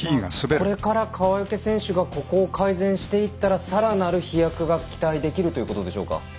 これから川除選手がここを改善していけばさらなる飛躍が期待できるということでしょうか。